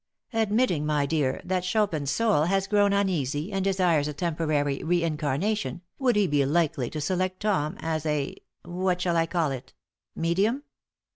"Admitting, my dear, that Chopin's soul has grown uneasy and desires a temporary reincarnation, would he be likely to select Tom as a what shall I call it? medium?